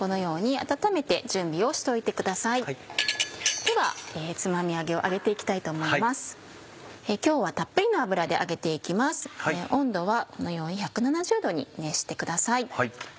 温度はこのように１７０℃に熱してください。